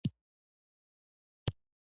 رسۍ د زړونو ترمنځ ارتباط ده.